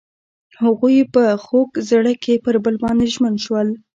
هغوی په خوږ زړه کې پر بل باندې ژمن شول.